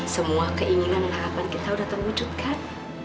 semua keinginan dan harapan kita udah terwujud kan